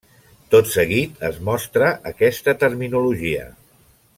Tot seguit es mostra aquesta terminologia.